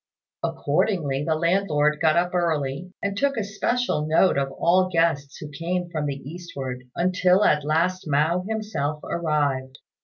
Accordingly the landlord got up early, and took especial note of all guests who came from the eastward, until at last Mao himself arrived.